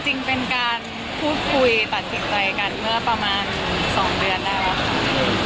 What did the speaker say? จริงเป็นการพูดคุยตัดสินใจกันเมื่อประมาณ๒เดือนแล้วค่ะ